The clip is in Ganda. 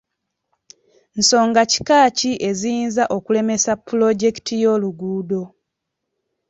Nsonga kika ki eziyinza okulemesa puloojekiti y'oluguudo?